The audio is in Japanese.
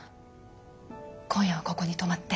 今夜はここに泊まって。